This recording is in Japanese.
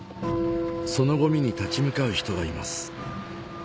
そのゴミに立ち向かう人がいます